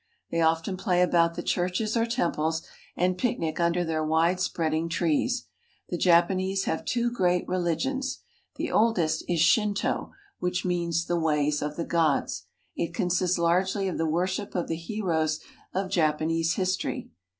They often play about the churches or temples, and picnic under their widespread ing trees. The Japanese have two great religions. The oldest is Shinto, which means "The Ways of the Gods." It consists largely of the worship of the heroes of Japanese history.